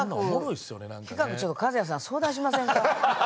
企画ちょっと一也さん相談しませんか。